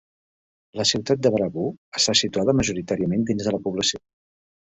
La ciutat de Baraboo està situada majoritàriament dins de la població.